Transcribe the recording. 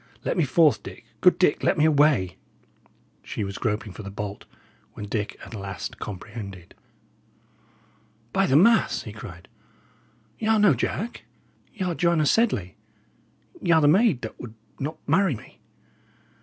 Let me forth, Dick good Dick, let me away!" She was groping for the bolt, when Dick at last comprehended. "By the mass!" he cried, "y' are no Jack; y' are Joanna Sedley; y' are the maid that would not marry me!"